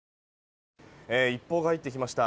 一報が入ってきました。